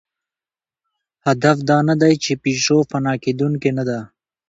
هدف دا نهدی، چې پيژو فنا کېدونکې نهده.